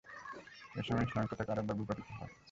এ সময় ইসলামী পতাকা আরো একবার ভূপাতিত হয়।